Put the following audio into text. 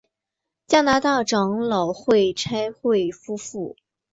加拿大长老会差会夫妇。